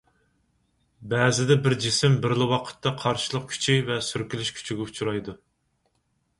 بەزىدە بىر جىسىم بىرلا ۋاقىتتا قارشىلىق كۈچى ۋە سۈركىلىش كۈچىگە ئۇچرايدۇ.